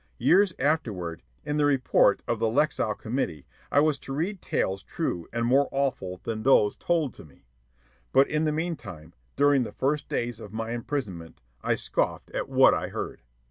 Years afterward, in the report of the Lexow Committee, I was to read tales true and more awful than those told to me. But in the meantime, during the first days of my imprisonment, I scoffed at what I heard.